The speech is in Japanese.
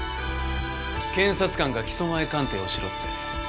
検察官が起訴前鑑定をしろって。